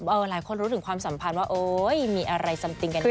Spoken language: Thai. หลายคนรู้ถึงความสัมพันธ์ว่าโอ๊ยมีอะไรซัมติงกันดี